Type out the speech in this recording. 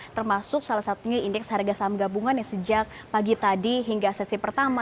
termasuk salah satunya indeks harga saham gabungan yang sejak pagi tadi hingga sesi pertama